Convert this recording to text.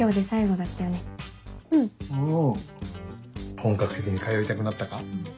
本格的に通いたくなったか？